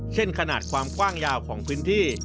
ขนาดความกว้างยาวของพื้นที่